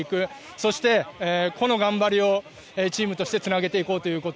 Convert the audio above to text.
そして、個の頑張りをチームとしてつなげていこうということ。